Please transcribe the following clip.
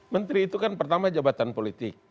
menteri itu kan pertama jabatan politik